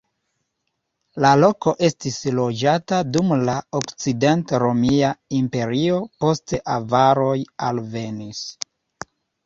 La loko estis loĝata dum la Okcident-Romia Imperio, poste avaroj alvenis.